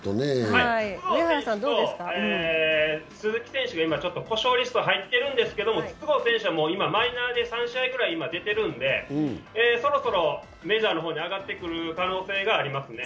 筒香選手と鈴木選手が今、故障リストに入っているんですけれども筒香選手はマイナーで今、３試合ぐらい出ているので、そろそろメジャーの方に上がってくる可能性がありますね。